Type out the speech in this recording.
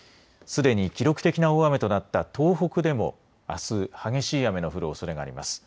すでに記録的な大雨となった東北でも、あす、激しい雨の降るおそれがあります。